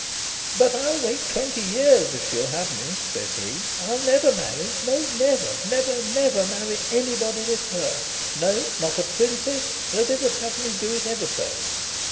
"'But I'll wait twenty years, if she'll have me,' says he. 'I'll never marry no, never, never, never, marry anybody but her. No, not a princess, though they would have me do it ever so.